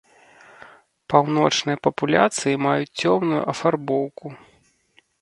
Паўночныя папуляцыі маюць цёмную афарбоўку.